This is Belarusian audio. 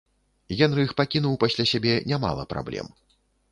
Генрых пакінуў пасля сябе нямала праблем.